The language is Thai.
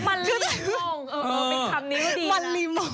มันลีม่อง